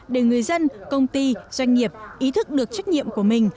để người dân công ty doanh nghiệp ý thức được trách nhiệm của mình